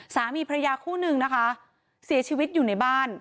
สามีพระยาคู่นึงนะคะเสียชีวิตอยู่ในบ้าน